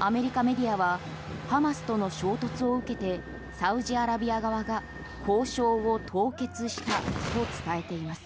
アメリカメディアはハマスとの衝突を受けてサウジアラビア側が交渉を凍結したと伝えています。